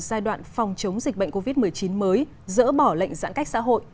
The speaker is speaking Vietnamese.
pháp bước vào một giai đoạn phòng chống dịch bệnh covid một mươi chín mới dỡ bỏ lệnh giãn cách xã hội